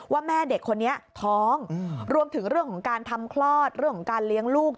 ว่าแม่เด็กคนนี้ท้องรวมถึงเรื่องของการทำคลอดเรื่องของการเลี้ยงลูก